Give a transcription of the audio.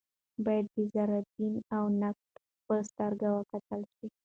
باید د ذره بین او نقد په سترګه وکتل شي